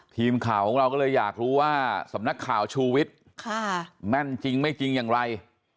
ทีมข่าวของเราก็เลยอยากรู้ว่าสำนักข่าวชูวิทย์แม่นจริงไม่จริงอย่างไร